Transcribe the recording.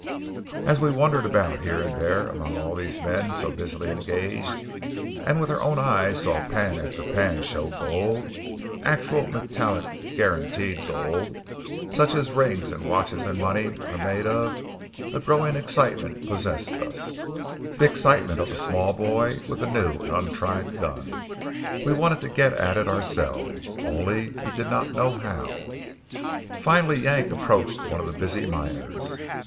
As we wandered about here and there among all these men so busily engaged, and with our own eyes saw pan after pan show gold, actual metallic guaranteed gold, such as rings and watches and money are made of, a growing excitement possessed us, the excitement of a small boy with a new and untried gun. We wanted to get at it ourselves. Only we did not know how. Finally Yank approached one of the busy miners.